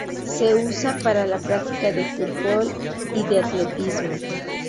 Se usa para la práctica de fútbol y de atletismo.